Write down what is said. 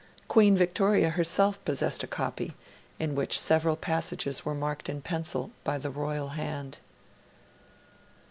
Queen Victoria herself possessed a copy in which several passages were marked in pencil, by the Royal hand.